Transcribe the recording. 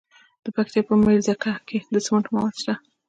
د پکتیا په میرزکه کې د سمنټو مواد شته.